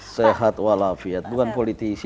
sehat walafiat bukan politisi